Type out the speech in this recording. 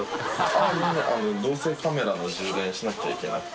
カメラの充電しなくちゃいけなくて。